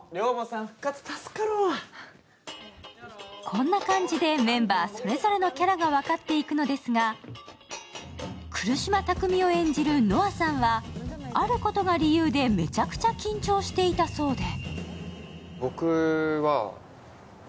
こんな感じでメンバーそれぞれのキャラが分かっていくのですが久留島巧を演じるＮＯＡさんはあることが理由でめちゃくちゃ緊張していたそうで。